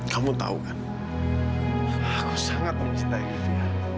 kamu tahu kan aku sangat mencintai kita